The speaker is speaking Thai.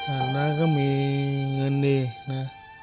น้าก็มีเงินดีนะ